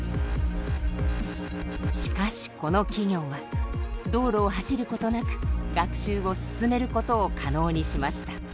しかしこの企業は道路を走ることなく学習を進めることを可能にしました。